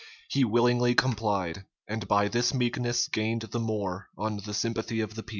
He willingly complied; and by this meekness gained the more on the sympathy of the people.